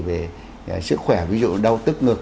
về sức khỏe ví dụ đau tức ngực